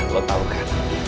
lo tau kan